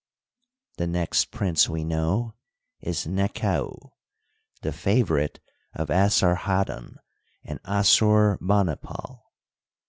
The next prince we know is Nekau, the favorite of Assarhaddon and Assur banipal.